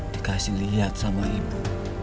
dikasih lihat sama ibu